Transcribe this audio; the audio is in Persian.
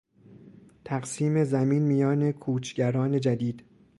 تقسیم زمین میان کوچگران جدید